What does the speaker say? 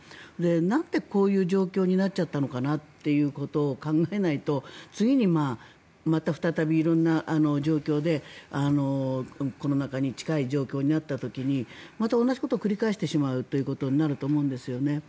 なんで、こういう状況になっちゃったのかなということを考えないと次に、また色んな状況でコロナ禍に近い状況になった時にまた同じことを繰り返してしまうということになると思うんですよね。